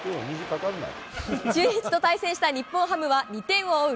中日と対戦した日本ハムは、２点を追う